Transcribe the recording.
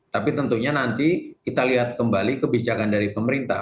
tapi tentunya nanti kita lihat kembali kebijakan dari pemerintah